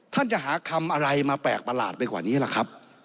ท่านจะหาคำอะไรมาแปลกประหลาดไปกว่านี้ล่ะครับ